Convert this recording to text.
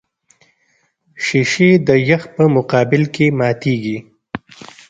شیشې د یخ په مقابل کې ماتېږي.